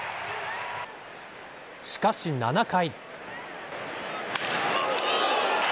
しかし７回。